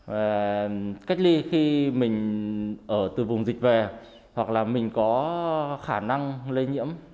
và cách ly khi mình ở từ vùng dịch về hoặc là mình có khả năng lây nhiễm